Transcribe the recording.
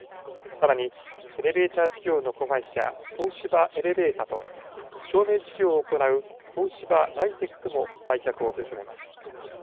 さらに、エレベーター事業の子会社、東芝エレベータと照明事業を行う東芝ライテックも売却を進めます。